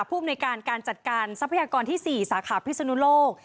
ภูมิในการการจัดการทรัพยากรที่๔สาขาพิศนุโลก